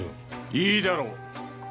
いいだろう！